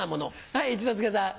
はい一之輔さん。